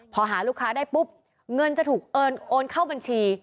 พอหาลูกค้าได้ปุ๊บเงินจะถูกโอนเข้าบัญชี